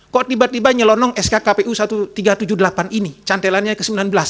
kok tiba tiba nyelonong sk kpu seribu tiga ratus tujuh puluh delapan ini cantelannya ke sembilan belas